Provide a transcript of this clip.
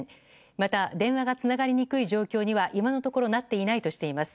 また電話がつながりにくい状況には今のところなっていないとしています。